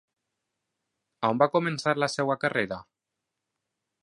On va començar la seva carrera?